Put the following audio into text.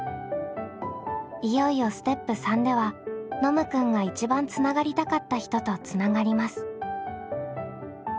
いよいよステップ３ではノムくんが一番つながりたかった人とつながります。